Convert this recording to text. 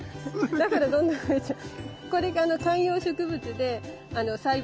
だからどんどん増えちゃう。